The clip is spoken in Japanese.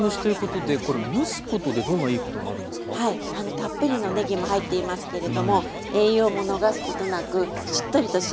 たっぷりのねぎも入っていますけれども栄養も逃すことなくしっとりと仕上がります。